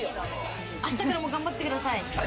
明日からも頑張ってください。